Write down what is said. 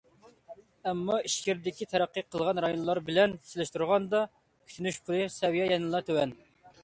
ئەمما، ئىچكىرىدىكى تەرەققىي قىلغان رايونلار بىلەن سېلىشتۇرغاندا، كۈتۈنۈش پۇلى سەۋىيەسى يەنىلا تۆۋەن.